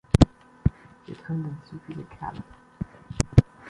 Hierdrin sind zu viele Kerle.